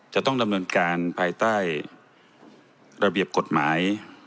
จะต้องดำเนินการภายใต้ระเบียบกฎหมาย